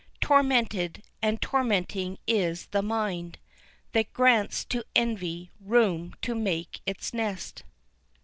Tormented, and tormenting is the mind That grants to Envy room to make its nest.